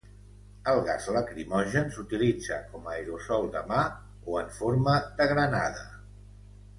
El gas lacrimogen s'utilitza com a aerosol de mà o en forma de granada.